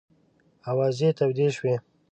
آوازې تودې شوې.